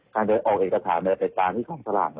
การจะออกเอกสารในละเอียดตามที่ของสลัก